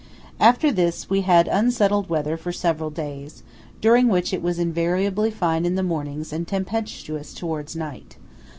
After this we had unsettled weather for several days, during which it was invariably fine in the mornings and tempestuous towards night.